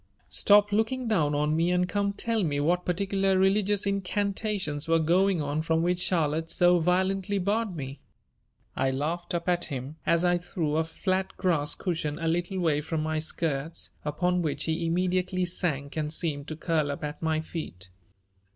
"Stop looking down on me and come tell me what particular religious incantations were going on from which Charlotte so violently barred me," I laughed up at him, as I threw a flat grass cushion a little way from my skirts, upon which he immediately sank and seemed to curl up at my feet.